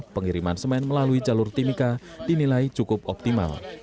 pengiriman semen melalui jalur timika dinilai cukup optimal